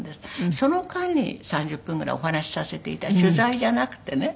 その間に３０分ぐらいお話しさせて取材じゃなくてね。